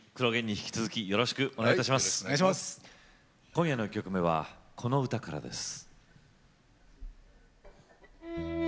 今夜の１曲目はこの歌からです。